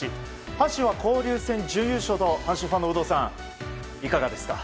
阪神は交流戦準優勝と阪神ファンの有働さんいかがですか？